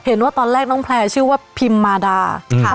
เห็นว่าตอนแรกน้องแพลร์ชื่อว่าพิมมาดา